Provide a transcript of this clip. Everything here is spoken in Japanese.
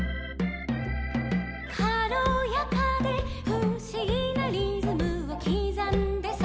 「かろやかでふしぎなリズムをきざんでさ」